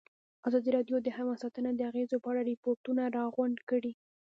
ازادي راډیو د حیوان ساتنه د اغېزو په اړه ریپوټونه راغونډ کړي.